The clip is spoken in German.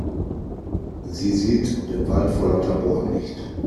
Sie sieht den Wald vor lauter Bäumen nicht.